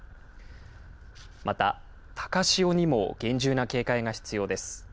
また、高潮にも厳重な警戒が必要です。